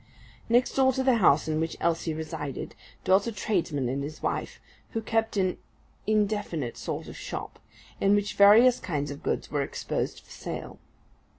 Next door to the house in which Elsie resided, dwelt a tradesman and his wife, who kept an indefinite sort of shop, in which various kinds of goods were exposed for sale.